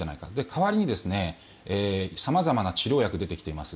代わりに様々な治療薬が出てきています。